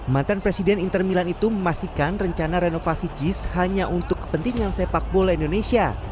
mantan presiden inter milan itu memastikan rencana renovasi jis hanya untuk kepentingan sepak bola indonesia